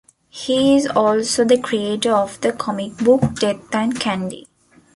He is also the creator of the comic book "Death and Candy".